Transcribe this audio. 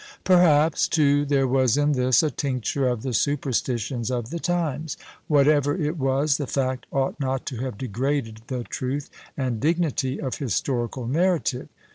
Perhaps, too, there was in this a tincture of the superstitions of the times: whatever it was, the fact ought not to have degraded the truth and dignity of historical narrative.